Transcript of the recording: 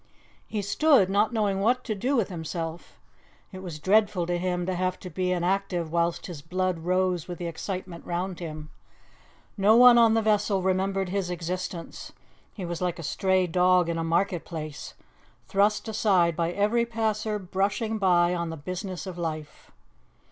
He stood, not knowing what to do with himself. It was dreadful to him to have to be inactive whilst his blood rose with the excitement round him. No one on the vessel remembered his existence; he was like a stray dog in a market place, thrust aside by every passer brushing by on the business of life.